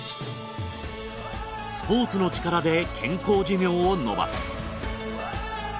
スポーツの力で健康寿命を伸ばす。